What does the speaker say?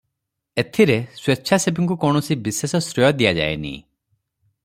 ଏଥିରେ ସ୍ୱେଚ୍ଛାସେବୀଙ୍କୁ କୌଣସି ବିଶେଷ ଶ୍ରେୟ ଦିଆଯାଏନି ।